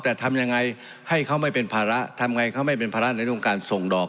แต่ทำยังไงให้เขาไม่เป็นภาระทำไงเขาไม่เป็นภาระในเรื่องการส่งดอก